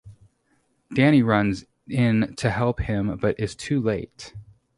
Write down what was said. Danny runs in to help him but is too late.